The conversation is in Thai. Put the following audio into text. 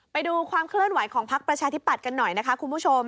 ไปดูความเคลื่อนไหวของพักประชาธิปัตย์กันหน่อยนะคะคุณผู้ชม